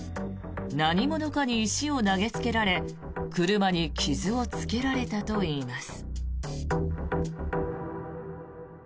何者かに石を投げつけられ車に傷をつけられたといいます。